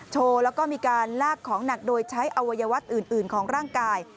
โชว์แล้วก็มีการลากของหนักโดยใช้อวัยวะอื่นของร่างกาย